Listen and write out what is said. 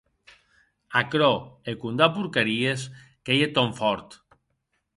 Aquerò e condar porcaries qu’ei eth tòn fòrt.